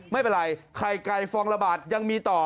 ไม่เป็นไรไข่ไก่ฟองละบาทยังมีต่อ